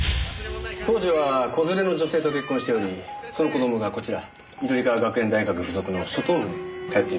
当時は子連れの女性と結婚しておりその子供がこちら緑川学園大学付属の初等部に通っていました。